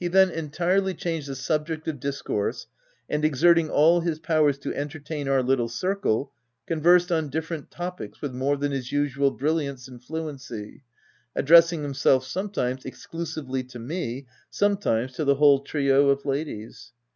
He then entirely changed the subject of dis course, and exerting all his powers to entertain our little circle, conversed on different topics with more than his usual brilliance and fluency, addressing himself, sometimes, exclusively to me, sometimes to the whole trio of ladies.